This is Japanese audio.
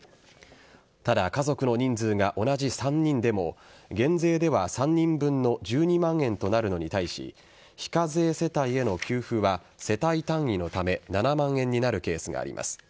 ただ、家族の人数が同じ３人でも減税では３人分の１２万円となるのに対し非課税世帯への給付は世帯単位のため７万円になるケースがあります。